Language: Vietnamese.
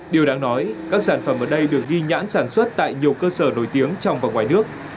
điều đáng nói các sản phẩm ở đây được ghi nhãn sản xuất tại nhiều cơ sở nổi tiếng trong và ngoài nước